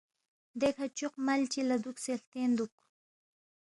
دیکھہ چوق مل چی لہ دوکسے ہلتین دوک